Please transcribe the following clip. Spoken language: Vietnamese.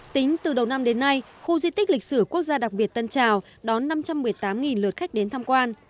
tính từ đầu năm đến nay khu di tích lịch sử quốc gia đặc biệt tân trào đón năm trăm một mươi tám lượt khách đến tham quan